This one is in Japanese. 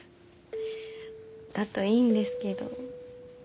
だといいんですけど。